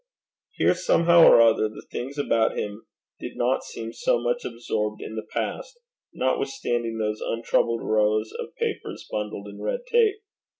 Here, somehow or other, the things about him did not seem so much absorbed in the past, notwithstanding those untroubled rows of papers bundled in red tape.